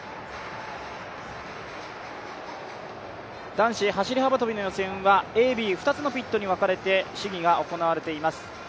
男子走幅跳の予選はＡ、Ｂ２つのピットに分かれて試技が行われています。